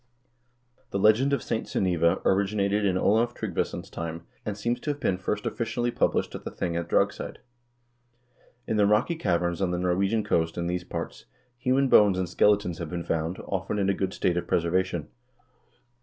The legend of St. Sunniva originated in Olav Tryggvason's time, and seems to have been first officially published at the thing at Dragseid. In the rocky caverns on the Norwegian coast in these parts, human bones and skeletons have been found, often in a good state of preservation.